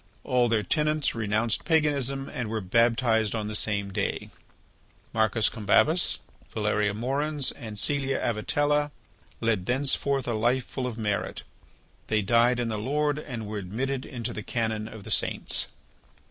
All their tenants renounced paganism and were baptized on the same day. Marcus Combabus, Valeria Moerens, and Caelia Avitella led thenceforth a life full of merit. They died in the Lord and were admitted into the canon of the saints.